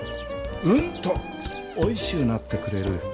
うんとおいしゅうなってくれる。